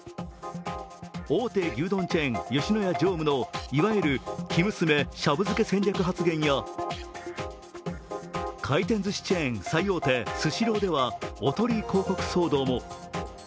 大手牛丼チェーン、吉野家常務のいわゆる生娘シャブ漬け戦略発言や回転ずしチェーン最大手、スシローではおとり広告騒動も。